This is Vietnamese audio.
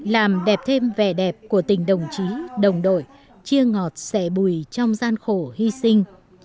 làm đẹp thêm vẻ đẹp của tình đồng chí đồng đội chia ngọt xẻ bùi trong gian khổ hy sinh